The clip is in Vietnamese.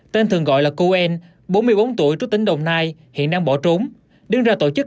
tên thường gọi là kuen bốn mươi bốn tuổi trú tỉnh đồng nai hiện đang bỏ trốn đứng ra tổ chức